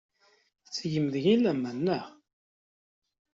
Tettgem deg-i laman, naɣ?